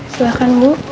apa lagi di pantai nak